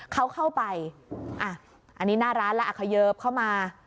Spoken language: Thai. เขาเข้าไปอ่ะอันนี้หน้าร้านแล้วอ่ะเขยิบเข้ามา